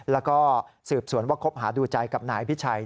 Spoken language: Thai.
แล้วก็สืบสวนว่าคบหาดูใจกับนายอภิชัย